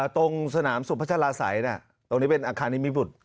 ตรงสนามสุพัชลาศัยตรงนี้เป็นอาคารนิมิบุตร